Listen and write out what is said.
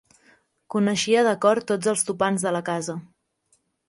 Coneixia de cor tots els topants de la casa.